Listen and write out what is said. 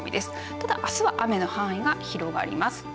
ただ、あすは雨の範囲が広がります。